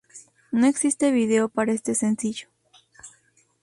No existe video para este sencillo.